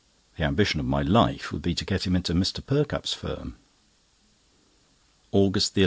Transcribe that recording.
The ambition of my life would be to get him into Mr. Perkupp's firm. AUGUST 11.